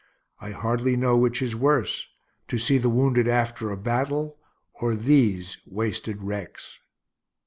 I hardly know which is worse, to see the wounded after a battle, or these wasted wrecks.